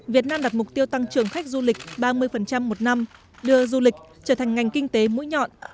việt nam đặt mục tiêu tăng trưởng khách du lịch ba mươi một năm đưa du lịch trở thành ngành kinh tế mũi nhọn